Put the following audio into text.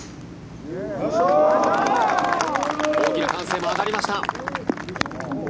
大きな歓声も上がりました。